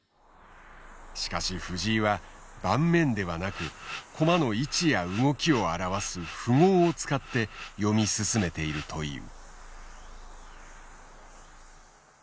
しかし藤井は盤面ではなく駒の位置や動きを表す符号を使って読み進めているという。